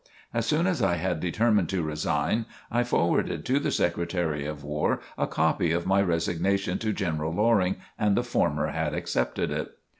As soon as I had determined to resign, I forwarded to the Secretary of War a copy of my resignation to General Loring and the former had accepted it.